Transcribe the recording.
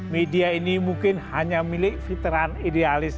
media ini mungkin hanya milik veteran idealis